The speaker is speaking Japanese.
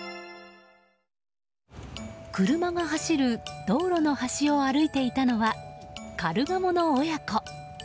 車が走る道路の端を歩いていたのはカルガモの親子。